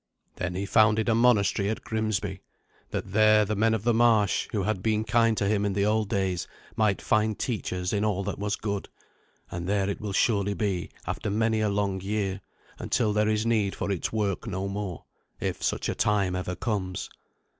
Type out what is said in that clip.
Then he founded a monastery at Grimsby, that there the men of the marsh, who had been kind to him in the old days, might find teachers in all that was good; and there it will surely be after many a long year, until there is need for its work no more, if such a time ever comes.